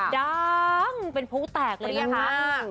ดังเป็นผู้แตกเลยนะคะ